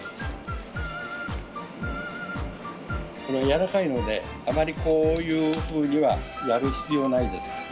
これやわらかいのであまりこういうふうにはやる必要ないです。